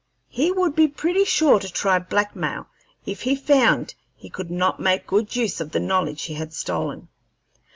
He would be pretty sure to try blackmail if he found he could not make good use of the knowledge he had stolen."